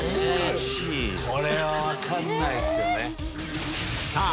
これは分かんないっすよね。